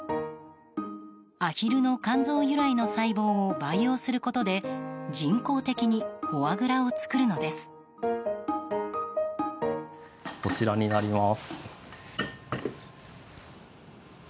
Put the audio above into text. アヒルの肝臓由来の細胞を培養することで人工的にフォアグラを作るのです。